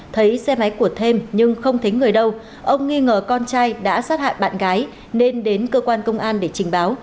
thấy xe máy của thêm nhưng không thấy người đâu ông nghi ngờ con trai đã sát hại bạn gái nên đến cơ quan công an để trình báo